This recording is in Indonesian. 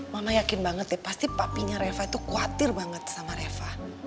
mama yakin banget ya pasti papinya reva itu khawatir banget sama reva